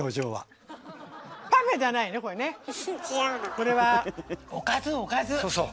これはおかずおかず！